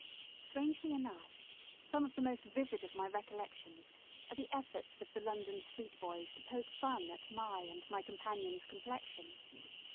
Strangely enough, some of the most vivid of my recollections are the efforts of the London street boys to poke fun at my and my companion's complexion.